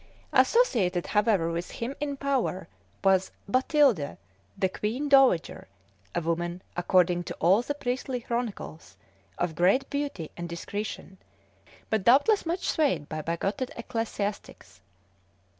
Associated, however, with him in power, was Batilde, the queen dowager, a woman, according to all the priestly chroniclers, of great beauty and discretion, but doubtless much swayed by bigoted ecclesiastics.